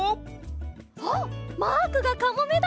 あっマークがかもめだ！